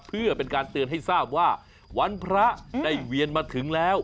เพื่อเป็นการเตือนให้ทราบว่าวันพระได้เวียนมาถึงแล้ว